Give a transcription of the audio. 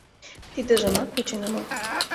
Тидыжымак вучен омыл.